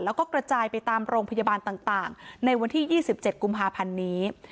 แล้วก็กระจายไปตามโรงพยาบาลต่างในวันที่๒๗กุมภาพันธ์นี้